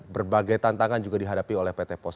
berbagai tantangan juga dihadapi oleh pt pos